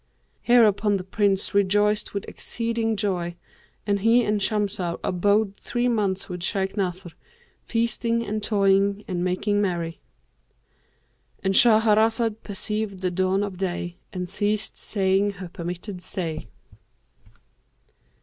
Hereupon the Prince rejoiced with exceeding joy, and he and Shamsah abode three months with Shaykh Nasr, feasting and toying and making merry."— And Shahrazad perceived the dawn of day and ceased saying her permitted say.